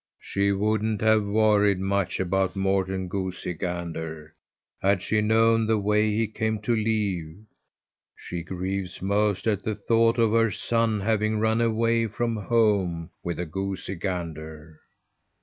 "She wouldn't have worried much about Morten Goosey Gander had she known the way he came to leave. She grieves most at the thought of her son having run away from home with a goosey gander."